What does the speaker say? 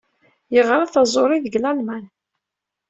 Yeɣra taẓuri deg Lalman.